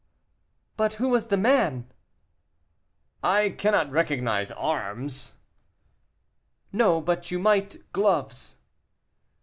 "But who was the man?" "I cannot recognize arms." "No, but you might gloves."